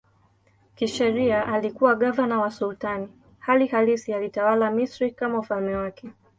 Kisheria alikuwa gavana wa sultani, hali halisi alitawala Misri kama ufalme wake.